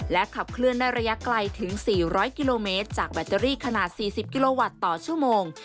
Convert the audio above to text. ขับเคลื่อนได้ระยะไกลถึง๔๐๐กิโลเมตรจากแบตเตอรี่ขนาด๔๐กิโลวัตต์ต่อชั่วโมง